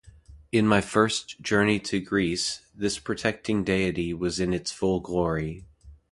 In my first journey to Greece, this protecting deity was in its full glory.